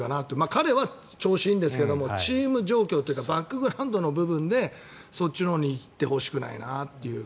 彼は調子がいいんですけどチーム状況とかバックグラウンドでそっちのほうに行ってほしくないなと。